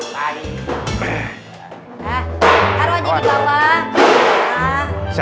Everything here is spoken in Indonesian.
taruh aja di bawah